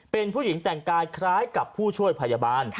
เป็นผู้หญิงแต่งกายคล้ายกับผู้ช่วยพยาบาล